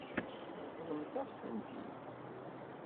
Ṛeḍlemt-aɣ-ten-id.